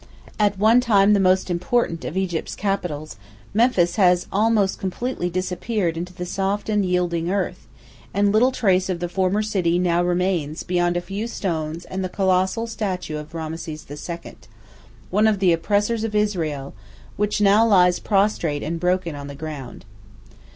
At one time the most important of Egypt's capitals, Memphis has almost completely disappeared into the soft and yielding earth, and little trace of the former city now remains beyond a few stones and the colossal statue of Rameses II., one of the oppressors of Israel, which now lies prostrate and broken on the ground.